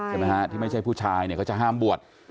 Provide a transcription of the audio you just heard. ใช่ไหมฮะที่ไม่ใช่ผู้ชายเนี่ยเขาจะห้ามบวช